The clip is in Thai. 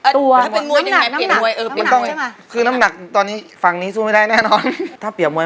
ถ้าเป็นมวยต้องเปลี่ยนมวย